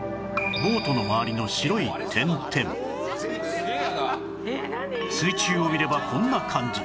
ボートの周りの水中を見ればこんな感じ